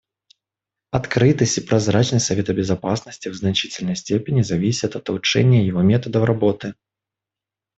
Открытость и прозрачность Совета Безопасности в значительной степени зависят от улучшения его методов работы.